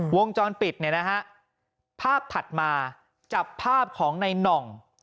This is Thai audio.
วงจรปิดเนี่ยนะฮะภาพถัดมาจับภาพของในน่อง